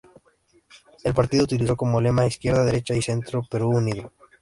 El partido utilizó como lema: "Izquierda, Derecha y Centro: Perú unido".